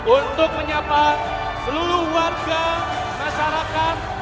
untuk menyapa seluruh warga masyarakat